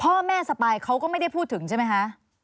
สปายเขาก็ไม่ได้พูดถึงใช่ไหมคะ